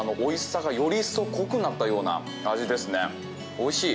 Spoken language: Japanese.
おいしい！